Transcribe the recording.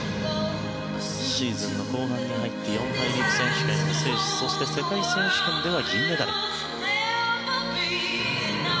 シーズンの後半に入って四大陸選手権を制しそして、世界選手権では銀メダル。